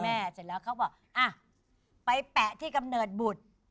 เสร็จแล้วเขาบอกอ่ะไปแปะที่กำเนิดบุตร